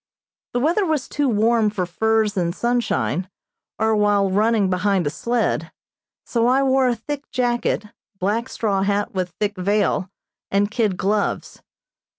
The weather was too warm for furs in sunshine, or while running behind a sled, so I wore a thick jacket, black straw hat with thick veil, and kid gloves.